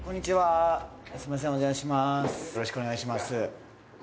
よろしくお願いします